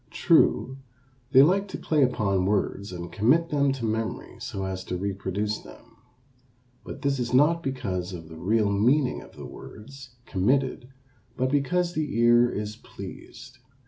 True, they like to play upon words and commit them to memory so as to reproduce them. But this is not because of the real meaning of the words committed but because the ear is pleased.